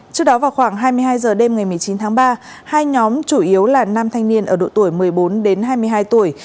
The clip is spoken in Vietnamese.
trước đó vào khoảng hai mươi hai h đêm ngày một mươi chín tháng ba hai nhóm chủ yếu là nam thanh niên ở độ tuổi một mươi bốn đến hai mươi hai tuổi